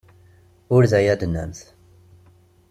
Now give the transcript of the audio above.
Ur d aya ay d-tennamt.